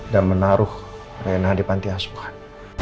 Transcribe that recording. dan menaruh rena di panti asuhan